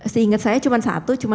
seingat saya cuma satu